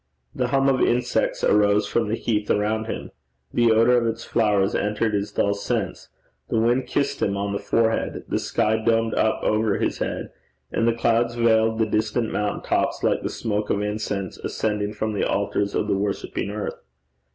The hum of insects arose from the heath around him; the odour of its flowers entered his dulled sense; the wind kissed him on the forehead; the sky domed up over his head; and the clouds veiled the distant mountain tops like the smoke of incense ascending from the altars of the worshipping earth.